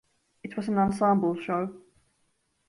It was an ensemble show.